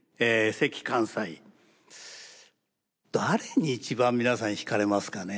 誰に一番皆さん惹かれますかね？